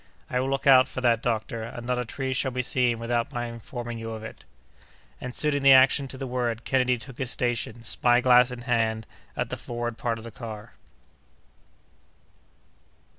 "I will look out for that, doctor, and not a tree shall be seen without my informing you of it." And, suiting the action to the word, Kennedy took his station, spy glass in hand, at the forward part of the car.